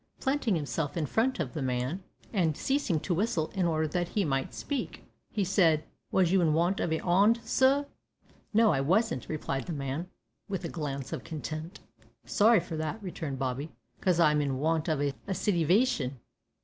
Planting himself in front of this man, and ceasing to whistle in order that he might speak, he said: "Was you in want of a 'and, sir?" "No, I wasn't," replied the man, with a glance of contempt. "Sorry for that," returned Bobby, "'cause I'm in want of a sitivation."